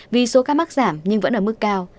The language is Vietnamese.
vì số ca mắc giảm nhưng vẫn ở mức cao